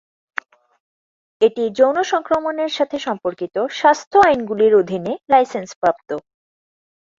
এটি যৌন সংক্রমণের সাথে সম্পর্কিত স্বাস্থ্য আইনগুলির অধীনে লাইসেন্সপ্রাপ্ত।